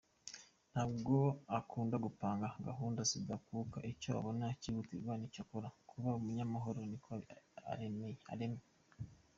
Ntabwo akunda gupanga gahunda zidakuka icyo abona cyihutirwa nicyo akora, kuba umunyamahoro niko aremye.